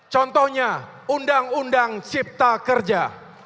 contohnya undang undang cipta kerja